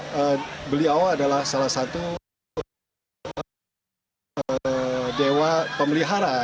karena beliau adalah salah satu dewa pemelihara